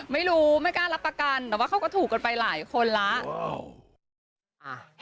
ไม่รู้ไม่กล้ารับประกันแต่ว่าเขาก็ถูกกันไปหลายคนแล้ว